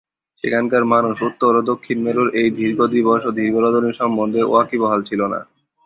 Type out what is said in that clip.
সেখানকার মানুষ উত্তর ও দক্ষিণ মেরুর এই দীর্ঘ দিবস ও দীর্ঘ রজনী সম্বন্ধে ওয়াকিবহাল ছিল না।